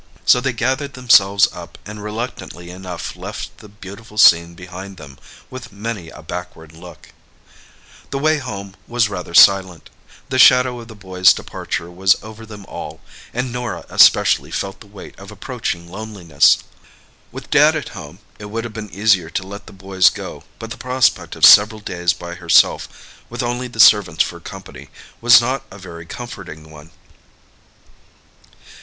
So they gathered themselves up, and reluctantly enough left the beautiful scene behind them, with many a backward look. The way home was rather silent. The shadow of the boys' departure was over them all, and Norah especially felt the weight of approaching loneliness. With Dad at home it would have been easier to let the boys go, but the prospect of several days by herself, with only the servants for company, was not a very comforting one.